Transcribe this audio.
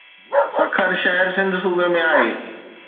سکر شهر سنڌ صوبي ۾ آهي.